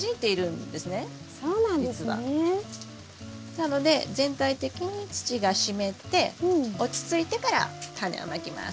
なので全体的に土が湿って落ち着いてからタネをまきます。